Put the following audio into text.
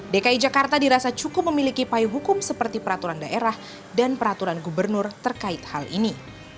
dki jakarta dirasa cukup memiliki payung hukum seperti peraturan daerah dan peraturan gubernur terkait hal ini